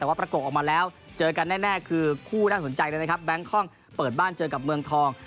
แต่ว่าประกบออกมาแล้วเจอกันแน่คือคู่น่าสนใจเลยนะครับแบงคอกเปิดบ้านเจอกับเมืองทอง